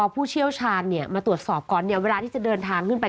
ผู้เชี่ยวชาญมาตรวจสอบก่อนเวลาที่จะเดินทางขึ้นไป